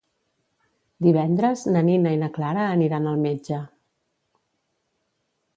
Divendres na Nina i na Clara aniran al metge.